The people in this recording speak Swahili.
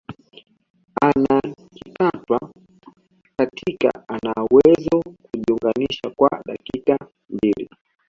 anakikatwa katikati anawezo kujiunganisha kwa dakika mbili